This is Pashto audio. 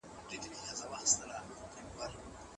د انټرنیټ شتون زده کړه تازه او په زړه پورې کوي.